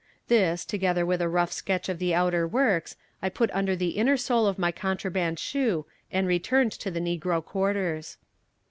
This, together with a rough sketch of the outer works, I put under the inner sole of my contraband shoe and returned to the negro quarters.